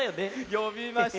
よびました